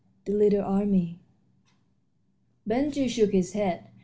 III THE LITTLE ARMY Ben Gile shook his head.